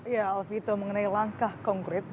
ya alvi itu mengenai langkah kongkrit